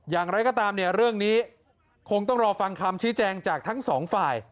อย่างไรก็ตามเนี่ยเรื่องนี้คงต้องรอฟังคำชี้แจงจากทั้งสองฝ่าย